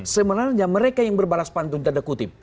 sebenarnya mereka yang berbalas pantun tanda kutip